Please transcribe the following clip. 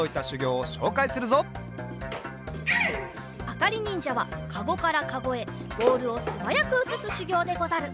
あかりにんじゃはかごからかごへボールをすばやくうつすしゅぎょうでござる。